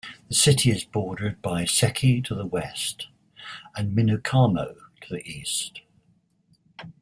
The city is bordered by Seki to the west and Minokamo to the east.